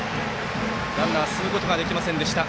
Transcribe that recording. ランナー進むことができませんでした。